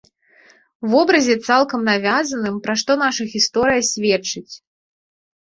Вобразе цалкам навязаным, пра што наша гісторыя сведчыць.